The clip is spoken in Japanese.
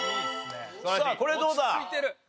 さあこれどうだ？